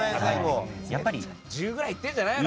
１０ぐらいいってるんじゃないの？